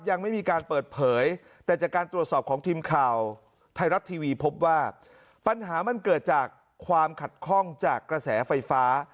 ยังไม่มีการเปิดเผยแต่จากการตรวจสอบของทีมข่าวไทยรัฐทีวีพบว่าปัญหามันเกิดจากความขัดข้องจากกระแสไฟฟ้า